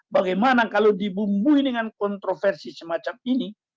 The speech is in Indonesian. bagaimana kalau dibumbui dengan kontroversi semacam ini